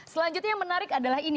selanjutnya yang menarik adalah ini